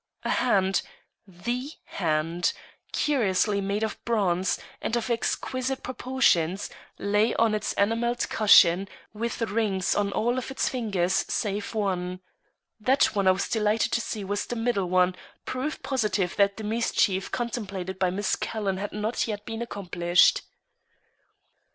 A hand the hand curiously made of bronze, and of exquisite proportions, lay on its enamelled cushion, with rings on all of its fingers save one. That one I was delighted to see was the middle one, proof positive that the mischief contemplated by Miss Calhoun had not yet been accomplished.